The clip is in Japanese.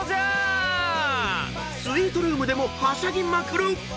［スイートルームでもはしゃぎまくる！］